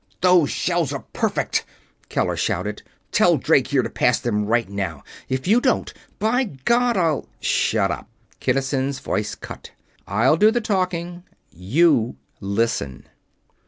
"Those shell are perfect!" Keller shouted. "Tell Drake here to pass them, right now. If you don't, by God I'll...." "Shut up!" Kinnison's voice cut. "I'll do the talking you listen.